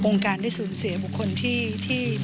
พี่ว่าความมีสปีริตของพี่แหวนเป็นตัวอย่างที่พี่จะนึกถึงเขาเสมอ